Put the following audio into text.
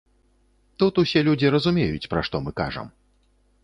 Тут усе людзі разумеюць, пра што мы кажам.